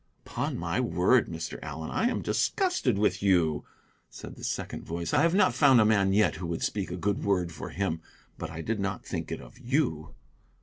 "Upon my word, Mr. Allen, I am disgusted with you," said the second voice; "I have not found a man yet who would speak a good word for him. But I did not think it of you."